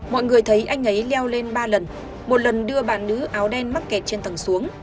mọi người thấy anh ấy leo lên ba lần